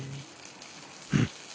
うん？